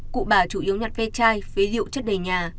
cụ bà chủ yếu nhặt ve chai phế diệu chất đầy nhà